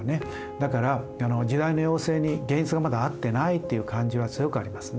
だから時代の要請に現実がまだ合ってないっていう感じは強くありますね。